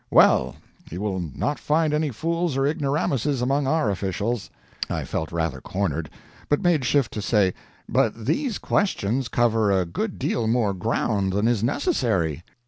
"Well, you will not find any fools or ignoramuses among our officials." I felt rather cornered, but made shift to say: "But these questions cover a good deal more ground than is necessary."